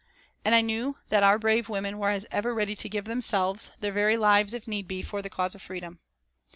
And I knew that our brave women were as ever ready to give themselves, their very lives, if need be, for the cause of freedom.